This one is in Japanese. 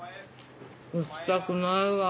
行きたくないわ。